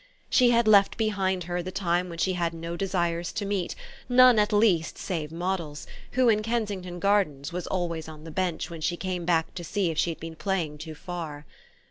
She had left behind her the time when she had no desires to meet, none at least save Moddle's, who, in Kensington Gardens, was always on the bench when she came back to see if she had been playing too far.